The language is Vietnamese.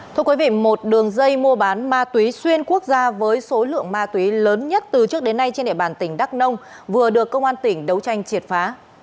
thưa quý vị một đường dây mua bán ma túy xuyên quốc gia với số lượng ma túy lớn nhất từ trước đến nay trên địa bàn tỉnh đắk nông vừa được công an tỉnh đấu tranh triệt phá